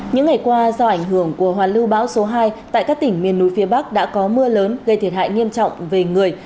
những ngày qua do ảnh hưởng của hoàn lưu bão số hai tại các tỉnh miền núi phía bắc đã có mưa lớn gây thiệt hại nghiêm trọng về người